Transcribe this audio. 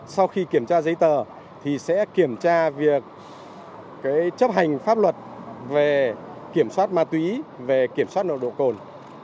sau khi kiểm tra giấy tờ thì sẽ kiểm tra việc chấp hành pháp luật về kiểm soát ma túy về kiểm soát nồng độ cồn